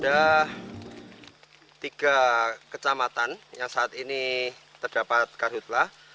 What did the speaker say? ada tiga kecamatan yang saat ini terdapat karhutlah